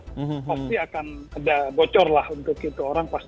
pasti akan ada bocor lah untuk itu orang pasti